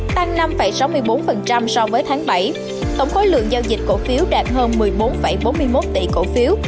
tổng khối lượng giao dịch cổ phiếu đạt hơn một mươi bốn bốn mươi một tỷ cổ phiếu